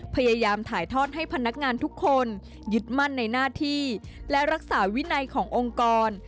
พยายามถ่ายทอดให้พนักงานทุกคนยึดมั่นในหน้าที่และรักษาวินัยขององค์กร